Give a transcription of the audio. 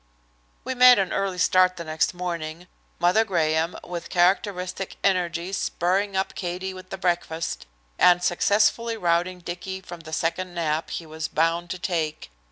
We made an early start the next morning, Mother Graham, with characteristic energy, spurring up Katie with the breakfast, and successfully routing Dicky from the second nap he was bound to take.